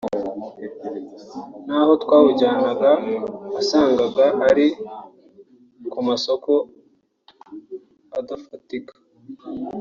n’aho twawujyanaga wasangaga ari ku masoko adafatika